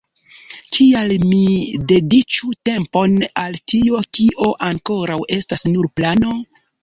Kial mi dediĉu tempon al tio, kio ankoraŭ estas nur plano?